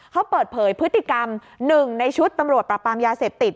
เขาเปิดเผยพฤติกรรมหนึ่งในชุดตำรวจประปามยาเสพติด